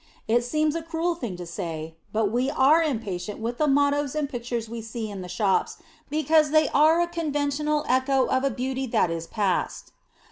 It seems a cruel thing to say, but we are impatient with the mottoes and pictures we see in the shops because they are a conventional echo of a beauty that is past.